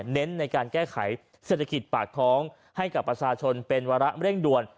เน้นในการแก้ไขเศรษฐกิจปากท้องให้กับประชาชนเป็นวาระเร่งด่วน